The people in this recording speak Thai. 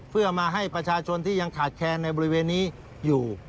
เพื่อมาให้ประชาชนที่ยังขาดแคลนในบริเวณนี้อยู่